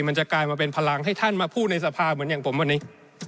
มันจะกลายมาเป็นพลังให้ท่านมาพูดในสภาเหมือนอย่างผมวันนี้